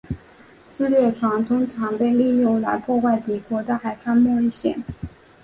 私掠船通常被利用来破坏敌国的海上贸易线。